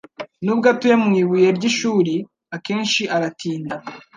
Nubwo atuye mu ibuye ry'ishuri, akenshi aratinda.